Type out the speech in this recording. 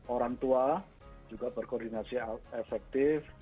orang tua juga berkoordinasi efektif